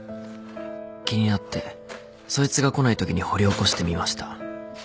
気になってそいつが来ないときに掘り起こしてみました。